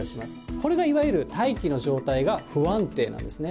これがいわゆる大気の状態が不安定なんですね。